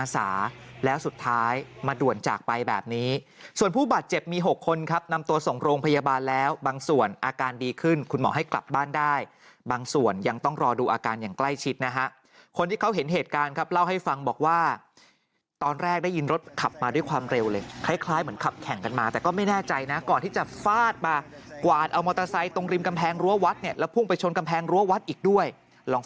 สาและสุดท้ายมาด่วนจากไปแบบนี้ส่วนผู้บาดเจ็บมี๖คนครับนำตัวส่งโรงพยาบาลแล้วบางส่วนอาการดีขึ้นคุณหมอให้กลับบ้านได้บางส่วนยังต้องรอดูอาการอย่างใกล้ชิดนะฮะคนที่เขาเห็นเหตุการณ์ครับเล่าให้ฟังบอกว่าตอนแรกได้ยินรถขับมาด้วยความเร็วเลยคล้ายเหมือนขับแข่งกันมาแต่ก็ไม่แน่ใจนะก่อน